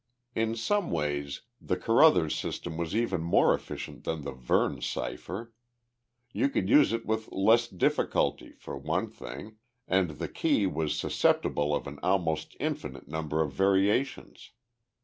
In some ways the Carruthers system was even more efficient than the Verne cipher. You could use it with less difficulty, for one thing, and the key was susceptible of an almost infinite number of variations.